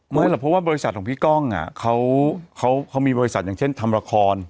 หรอกเพราะว่าบริษัทของพี่ก้องเขามีบริษัทอย่างเช่นทำละคร